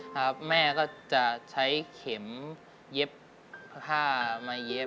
ครับแม่ก็จะใช้เข็มเย็บผ้ามาเย็บ